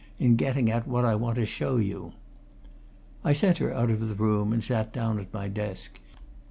in getting at what I want to show you." I sent her out of the room, and sat down at my desk.